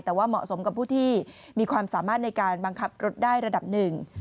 แต่ว่าเหมาะสมกับผู้ที่มีความสามารถในการบังคับรถได้ระดับหนึ่ง